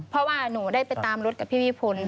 เพราะว่าหนูได้ไปตามรถกับพี่วิพล